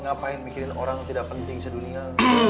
ngapain mikirin orang tidak penting sedunia